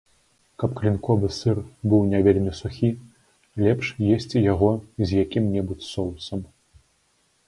Каб клінковы сыр быў не вельмі сухі, лепш есці яго з якім-небудзь соусам.